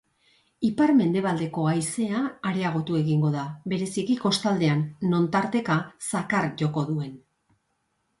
Ipar-mendebaldeko haizea areagotu egingo da, bereziki kostaldean non tarteka zakar joko duen.